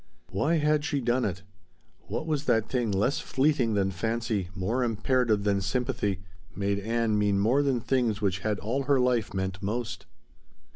Why had she done it? What was that thing less fleeting than fancy, more imperative than sympathy, made Ann mean more than things which had all her life meant most?